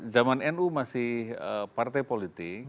zaman nu masih partai politik